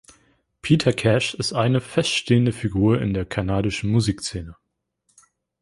Peter Cash ist eine feststehende Figur in der kanadischen Musikszene.